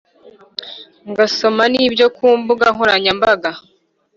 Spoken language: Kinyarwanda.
ngasoma n’ibyo ku mbuga nkoranyambaga